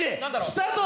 スタート！